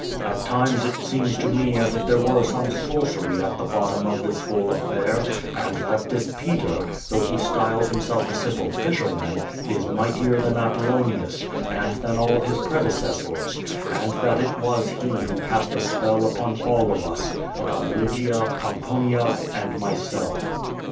At times it seems to mo a« if there were some sorcery at the bot tom of this whole affair, and that this Peter, though he styles himself a simple fisherman, is mightier than Apollonius, and than all his predecessors, and that it was he who cast a s])e11 upon all of us — ^upon Lygia, Pomponia, and myself.